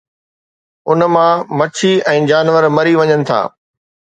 ان مان مڇي ۽ جانور مري وڃن ٿا.